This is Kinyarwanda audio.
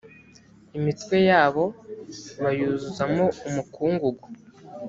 imitwe yabo bayuzuzamo umukungugu